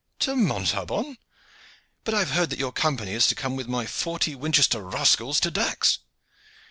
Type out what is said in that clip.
"To Montaubon? But I have heard that your Company is to come with my forty Winchester rascals to Dax."